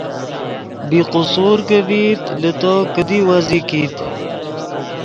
بی قصور کہ ڤئیت لے تو کیدی ویزی کیت